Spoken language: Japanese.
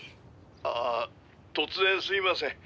「ああ突然すみません」